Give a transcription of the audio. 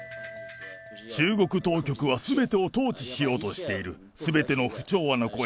中国当局はすべてを統治しようとしている。